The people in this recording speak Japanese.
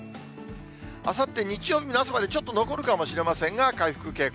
あさって日曜日の朝までちょっと残るかもしれませんが、回復傾向。